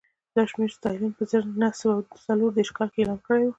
دا شمېر ستالین په زر نه سوه څلور دېرش کال کې اعلان کړی و